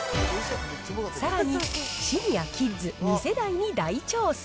さらに、シニア、キッズ２世代に大調査。